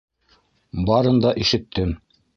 Барын да ишеттем.